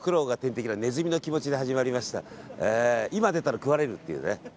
今出たら食われるっていうね。